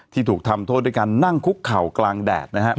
ที่ถูกทำโทษด้วยการนั่งคุกเข่ากลางแดด